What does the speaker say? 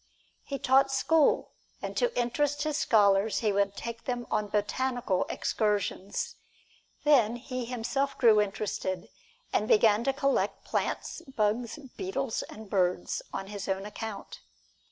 He taught school, and to interest his scholars he would take them on botanical excursions. Then he himself grew interested, and began to collect plants, bugs, beetles and birds on his own account.